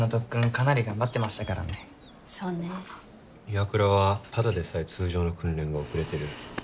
岩倉はただでさえ通常の訓練が遅れてる。